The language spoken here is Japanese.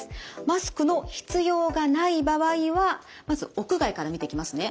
マスクの必要がない場合はまず屋外から見ていきますね。